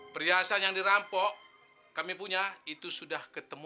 perhiasan yang dirampok kami punya itu sudah ketemu